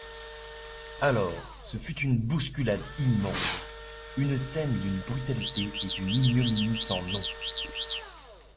Alors, ce fut une bousculade immonde, une scène d'une brutalité et d'une ignominie sans nom.